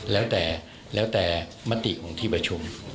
แล้วแต่แล้วแต่มติของที่ประชุม